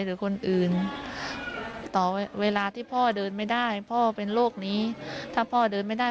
หรือคนอื่นต่อเวลาที่พ่อเดินไม่ได้พ่อเป็นโรคนี้ถ้าพ่อเดินไม่ได้